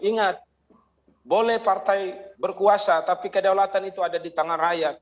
ingat boleh partai berkuasa tapi kedaulatan itu ada di tangan rakyat